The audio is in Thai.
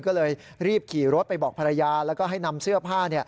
ก็เลยรีบขี่รถไปบอกภรรยาแล้วก็ให้นำเสื้อผ้า